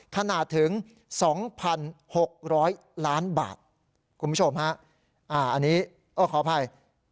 ขนาดถึง๒๖๐๐ล้านบาทคุณผู้ชมฮะอันนี้ขออภัย